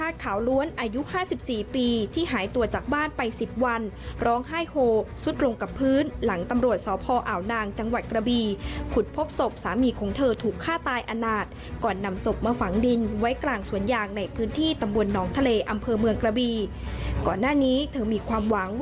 ติดตามจากรายงานค่ะ